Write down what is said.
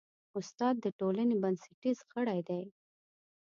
استاد د ټولنې بنسټیز غړی دی.